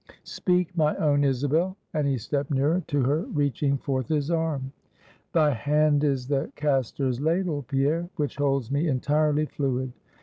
Speak, my own Isabel," and he stept nearer to her, reaching forth his arm. "Thy hand is the caster's ladle, Pierre, which holds me entirely fluid.